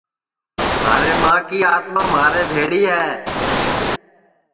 مھارے ماں کی آتما میرے بھیݪی ہے